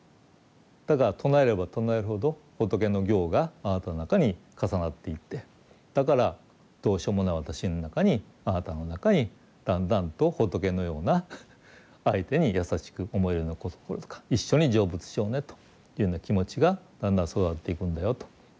だから唱えれば唱えるほど仏の行があなたの中に重なっていってだからどうしようもない私の中にあなたの中にだんだんと仏のような相手に優しく思えるような心とか一緒に成仏しようねというような気持ちがだんだん育っていくんだよと。